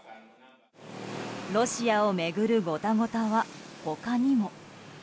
ロシアを巡るごたごたは他にも。